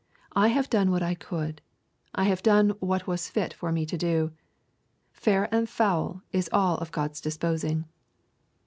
I have done what I could. I have done what was fit for me to do. Fair and foul is all of God's disposing.'